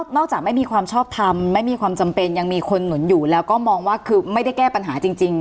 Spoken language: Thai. จากไม่มีความชอบทำไม่มีความจำเป็นยังมีคนหนุนอยู่แล้วก็มองว่าคือไม่ได้แก้ปัญหาจริง